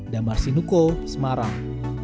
damar sinuko semarang